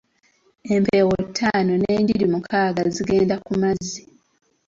Empeewo ttaano, n'enjiri mukaaga zigenda ku mazzi.